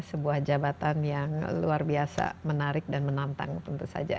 sebuah jabatan yang luar biasa menarik dan menantang tentu saja